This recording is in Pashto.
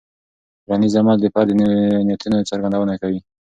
ټولنیز عمل د فرد د نیتونو څرګندونه کوي.